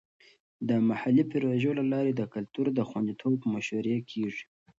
د محلي پروژو له لارې د کلتور د خوندیتوب مشورې کیږي.